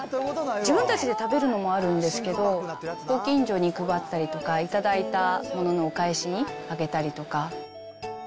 自分たちで食べるのもあるんですけど、ご近所に配ったりとか、頂いたもののお返しにあげたりとか。